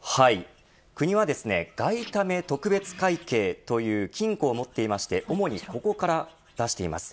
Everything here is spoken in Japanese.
国は買いため特別会計という金庫を持っていまして倉庫から出しています。